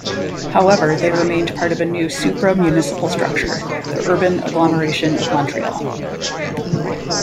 However, they remained part of a new supra-municipal structure: the urban agglomeration of Montreal.